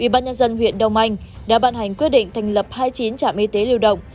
ubnd huyện đông anh đã ban hành quyết định thành lập hai mươi chín trạm y tế lưu động